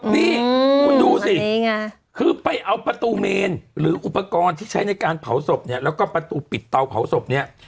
นี่คุณดูสิคือไปเอาประตูเมนหรืออุปกรณ์ที่ใช้ในการเผาศพเนี่ยแล้วก็ประตูปิดเตาเผาศพเนี่ย